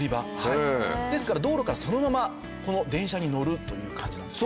ですから道路からそのままこの電車に乗るという感じなんですね。